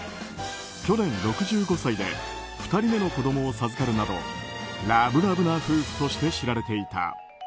去年、６５歳で２人目の子供を授かるなどラブラブな夫婦として知られていた。